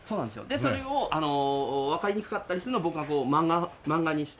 でそれをわかりにくかったりするのを僕がこう漫画にして。